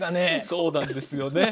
そうなんですよね。